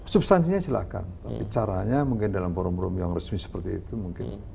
substansinya silahkan tapi caranya mungkin dalam forum forum yang resmi seperti itu mungkin